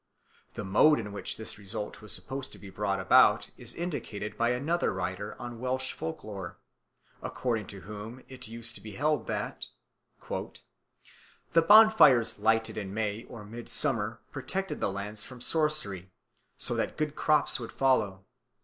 The mode in which this result was supposed to be brought about is indicated by another writer on Welsh folk lore, according to whom it used to be held that "the bonfires lighted in May or Midsummer protected the lands from sorcery, so that good crops would follow.